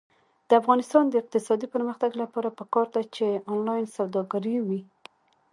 د افغانستان د اقتصادي پرمختګ لپاره پکار ده چې آنلاین سوداګري وي.